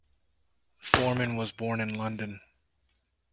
Foreman was born in London.